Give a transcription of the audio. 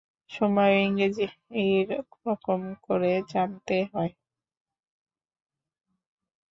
সময়ও ইংরেজী-রকম করে আনতে হয়।